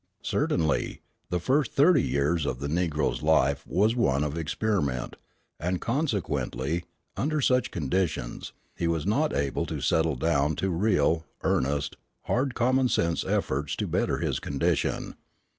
Certainly, the first thirty years of the Negro's life was one of experiment; and consequently, under such conditions, he was not able to settle down to real, earnest, hard common sense efforts to better his condition.